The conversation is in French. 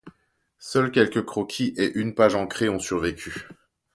Seuls quelques croquis et une page encrée ont survécu.